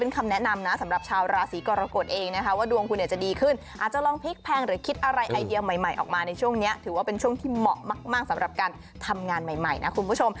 คำแนะนำนะสำหรับชาวราศีกรกฎเองนะคะว่าดวงคุณเนี่ยจะดีขึ้นอาจจะลองพลิกแพงหรือคิดอะไรไอเดียใหม่ออกมาในช่วงนี้ถือว่าเป็นช่วงที่เหมาะมากสำหรับการทำงานใหม่นะคุณผู้ชม